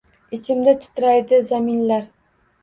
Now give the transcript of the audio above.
Ichimda titraydi zaminlar.